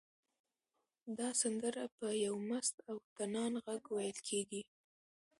دا سندره په یو مست او طنان غږ ویل کېږي.